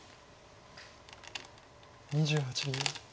２８秒。